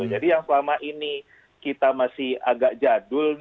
jadi yang selama ini kita masih agak jadul